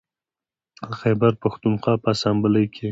د خیبر پښتونخوا په اسامبلۍ کې